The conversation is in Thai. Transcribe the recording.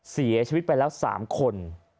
เสียชีวิตไปแล้ว๓คน